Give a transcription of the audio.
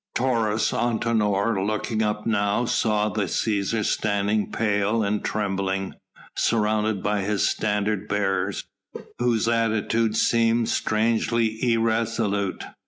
Taurus Antinor looking up now saw the Cæsar standing pale and trembling, surrounded by his standard bearers, whose attitude seemed strangely irresolute.